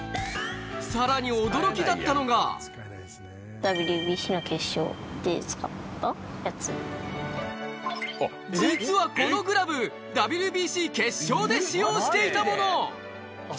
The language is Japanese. さらに驚きだったのが実はこのグラブで使用していたもの！